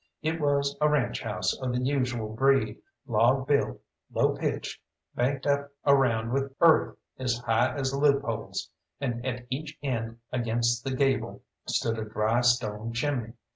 It was a ranche house of the usual breed, log built, low pitched, banked up around with earth as high as the loopholes, and at each end against the gable stood a dry stone chimney.